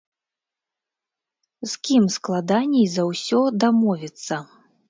З кім складаней за ўсё дамовіцца?